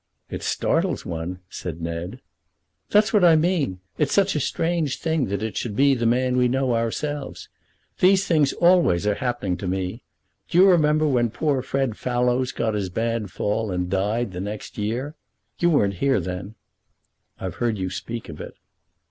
"It startles one," said Ned. "That's what I mean. It's such a strange thing that it should be the man we know ourselves. These things always are happening to me. Do you remember when poor Fred Fellows got his bad fall and died the next year? You weren't here then." "I've heard you speak of it."